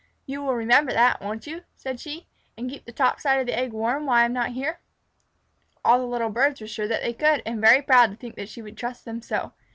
You will remember that, won't you," said she, "and keep the top side of the eggs warm when I am not here?" All the little birds were sure that they could, and very proud to think that she would trust them so.